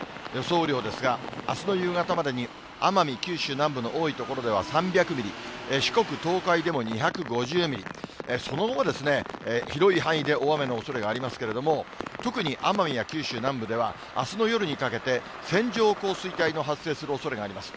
雨量ですが、あすの夕方までに奄美、九州南部の多い所では３００ミリ、四国、東海でも２５０ミリ、その後も広い範囲で大雨のおそれがありますけれども、特に奄美や九州南部では、あすの夜にかけて、線状降水帯の発生するおそれがあります。